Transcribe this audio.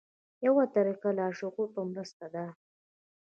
یوه طریقه د لاشعور په مرسته ده.